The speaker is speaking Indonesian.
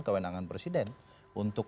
kewenangan presiden untuk